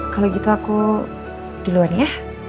kalau gitu aku duluan ya